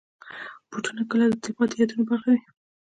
بوټونه کله د تلپاتې یادونو برخه وي.